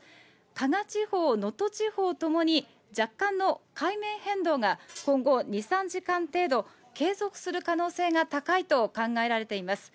加賀地方、能登地方ともに若干の海面変動が今後２、３時間程度、継続する可能性が高いと考えられています。